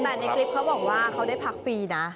แต่ในคลิปเขาบอกว่าเขาได้พักฟรีนะ